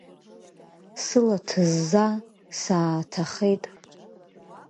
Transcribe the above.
Сыла ҭызза сааҭахеит.